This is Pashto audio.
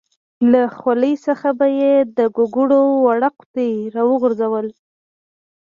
له خولې څخه به یې د ګوګړو وړه قطۍ راوغورځوله.